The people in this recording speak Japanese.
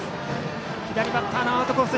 左バッターのアウトコース